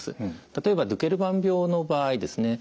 例えばドケルバン病の場合ですね